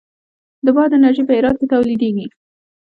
د باد انرژي په هرات کې تولیدیږي